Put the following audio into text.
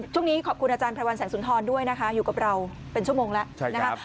ช่วงนี้ขอบคุณอาจารย์พระวันแสงสุนทรด้วยนะคะอยู่กับเราเป็นชั่วโมงแล้วนะคะ